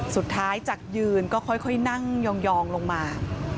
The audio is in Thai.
สุดท้ายจากยืนก็ค่อยนั่งยองลงมา